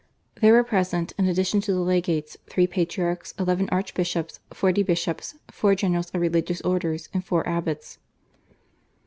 There were present in addition to the legates, three patriarchs, eleven archbishops, forty bishops, four generals of religious orders, and four abbots.